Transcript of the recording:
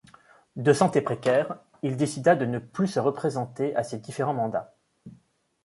De santé précaire, il décida de ne plus se représenter à ses différents mandats.